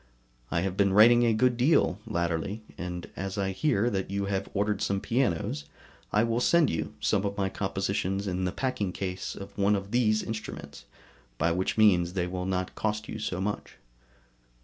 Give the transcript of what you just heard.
I have been writing a good deal latterly, and as I hear that you have ordered some pianos from , I will send you some of my compositions in the packing case of one of these instruments, by which means they will not cost you so much.